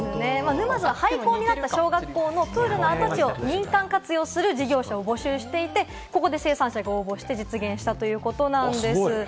沼津は廃校になった小学校のプールの跡地を民間活用する事業者を募集していて、そこで生産者を応募して実現したということなんです。